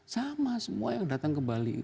sama semua yang datang ke bali